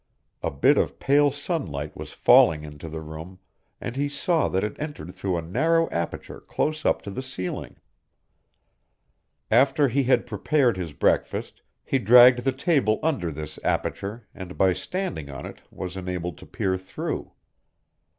A bit of pale sunlight was falling into the room and he saw that it entered through a narrow aperture close up to the ceiling. After he had prepared his breakfast he dragged the table under this aperture and by standing on it was enabled to peer through.